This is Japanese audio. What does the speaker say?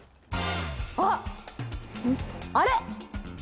あっあれ？